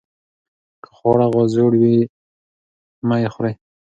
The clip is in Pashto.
که خواړه زوړ وي مه یې خورئ.